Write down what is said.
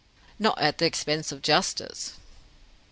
"Not at the expense of justice?"